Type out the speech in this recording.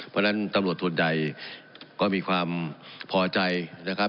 เพราะฉะนั้นตำรวจส่วนใหญ่ก็มีความพอใจนะครับ